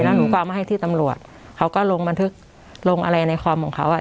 แล้วหนูก็เอามาให้ที่ตำรวจเขาก็ลงบันทึกลงอะไรในคอมของเขาอ่ะ